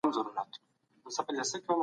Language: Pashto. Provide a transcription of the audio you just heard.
دي هېواد ډېري لوړي او ژوري لیدلي دي.